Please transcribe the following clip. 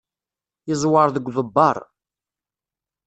Yeẓwer deg uḍebber.